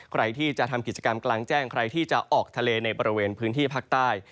ใครที่จะทำกิจกรรมกลางแจ้งใครที่จะออกทะเลในบริเวณพื้นที่ภาคใต้